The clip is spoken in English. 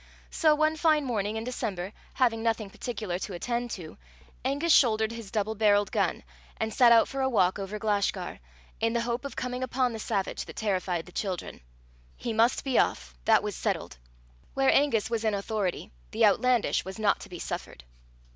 So, one fine morning in December, having nothing particular to attend to, Angus shouldered his double barrelled gun, and set out for a walk over Glashgar, in the hope of coming upon the savage that terrified the children. He must be off. That was settled. Where Angus was in authority, the outlandish was not to be suffered.